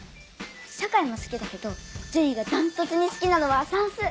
社会も好きだけど樹里が断トツに好きなのは算数。